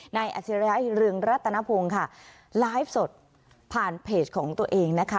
อาจริยะเรืองรัตนพงศ์ค่ะไลฟ์สดผ่านเพจของตัวเองนะคะ